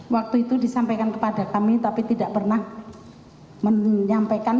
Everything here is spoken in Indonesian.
waktu itu disampaikan kepada kami tapi tidak pernah menyampaikan